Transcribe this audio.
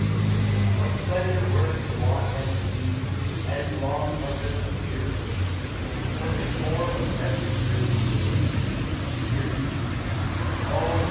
What pleasure were to walk and see, Endlong a river clear, The perfect form of every tree Within the deep appear.